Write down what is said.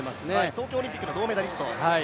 東京オリンピックの銅メダリスト。